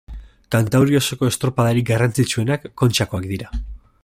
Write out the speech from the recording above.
Kantauri osoko estropadarik garrantzitsuenak Kontxakoak dira.